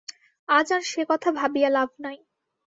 আজ আর সেকথা ভাবিয়া লাভ নাই।